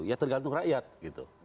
ya tergantung rakyat gitu